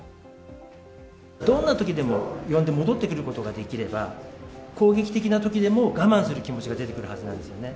どんなときでも呼んで戻ってくることができれば、攻撃的なときでも、我慢する気持ちが出てくるはずなんですよね。